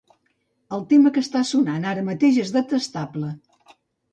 El tema que està sonant ara mateix és detestable.